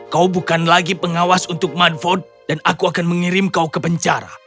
kau bukan lagi pengawas untuk mudford dan aku akan mengirim kau ke penjara